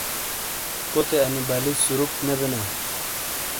کوتے انی بَلی سُورُوپ نے بینا۔